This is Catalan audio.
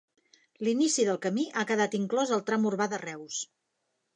L'inici del camí ha quedat inclòs al tram urbà de Reus.